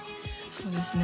そうですね